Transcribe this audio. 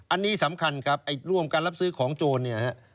อันนี้สำคัญครับร่วมกันรับซื้อของโจรเนี่ยฮะ